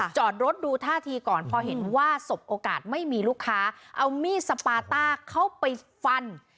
จอดรถดูท่าทีก่อนพอเห็นว่าสบโอกาสไม่มีลูกค้าเอามีดสปาต้าเข้าไปฟัน